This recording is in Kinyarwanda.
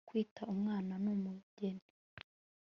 kwitwa umwana n'umugeni